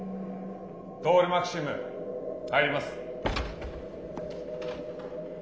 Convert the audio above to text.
トオル・マキシム入ります。